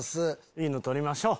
いいの撮りましょう。